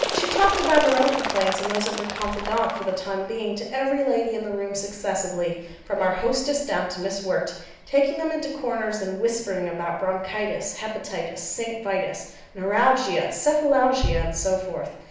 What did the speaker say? She talked about her own complaints and those of her CONFIDANTE for the time being, to every lady in the room successively, from our hostess down to Miss Wirt, taking them into corners, and whispering about bronchitis, hepatitis, St. Vitus, neuralgia, cephalalgia, and so forth.